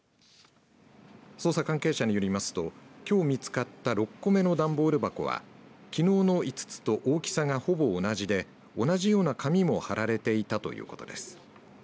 捜査関係者によりますときょう見つかった６個目の段ボール箱はきのうの５つと大きさがほぼ同じで同じような紙も張られていたということです。